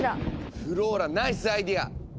フローラナイスアイデア！